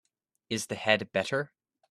Is the head better?